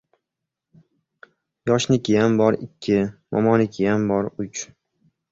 Yoshnikiyam bor — ikki! Momonikiyam bor — uch!